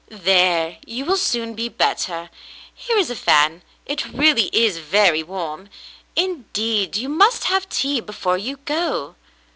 "There, you will soon be better. Here is a fan. It really is very warm. Indeed, you must have tea before you go."